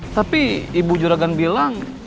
tapi ibu juragan bilang